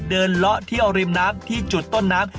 เลาะเที่ยวริมน้ำที่จุดต้นน้ำ